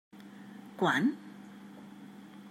Quan?